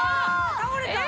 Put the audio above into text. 倒れた！